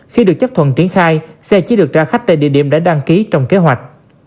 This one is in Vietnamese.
khi được chấp thuận triển khai xe chỉ được trả khách tại địa điểm đã đăng ký trong kế hoạch